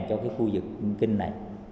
cho cái khu vực kinh này